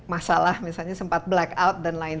masalah misalnya sempat black out dan lain